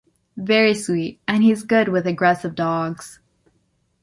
Very sweet and he’s good with aggressive dogs.